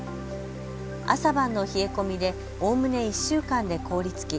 朝晩の冷え込みでおおむね１週間で凍りつき